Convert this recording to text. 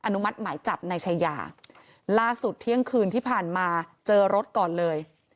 นุมัติหมายจับนายชายาล่าสุดเที่ยงคืนที่ผ่านมาเจอรถก่อนเลย